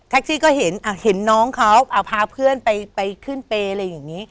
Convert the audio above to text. ซี่ก็เห็นเห็นน้องเขาพาเพื่อนไปขึ้นเปย์อะไรอย่างนี้